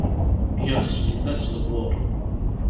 Yers fell-as lbur.